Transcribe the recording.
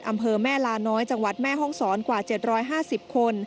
อำเภอแม่ลาน้อยจังหวัดแม่ห้องศรกว่า๗๕๐คน